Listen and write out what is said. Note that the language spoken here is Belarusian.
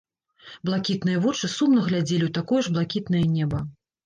Блакітныя вочы сумна глядзелі ў такое ж блакітнае неба.